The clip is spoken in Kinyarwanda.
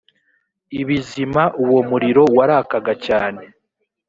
ibizima uwo muriro warakaga cyane